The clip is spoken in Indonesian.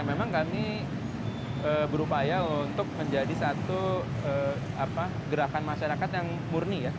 memang kami berupaya untuk menjadi satu gerakan masyarakat yang murni ya